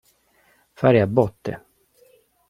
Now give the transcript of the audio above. Fare a botte.